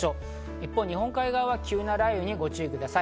一方、日本海側は急な雷雨にご注意ください。